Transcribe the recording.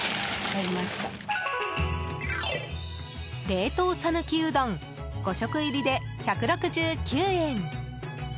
冷凍讃岐うどん５食入りで１６９円。